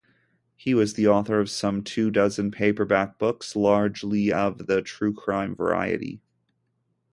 He was the author of some two-dozen paperback books, largely of the true-crime variety.